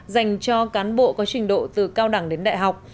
dành cho cán bộ có trình độ từ cao đẳng đến đại học